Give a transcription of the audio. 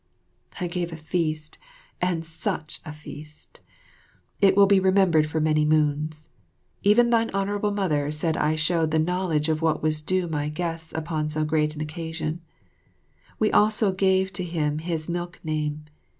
I gave a feast, and such a feast! It will be remembered for many moons. Even thine Honourable Mother said I showed the knowledge of what was due my guests upon so great an occasion. We also gave to him his milk name.